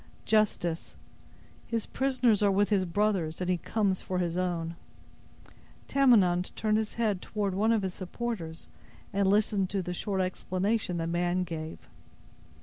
"Justice. His prisoners are with his brothers, and he comes for his own." Tamenund turned his head toward one of his supporters, and listened to the short explanation the man gave.